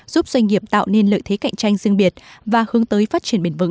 giúp doanh nghiệp tạo nên lợi thế cạnh tranh riêng biệt và hướng tới phát triển bền vững